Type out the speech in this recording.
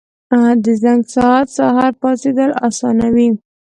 • د زنګ ساعت سهار پاڅېدل اسانوي.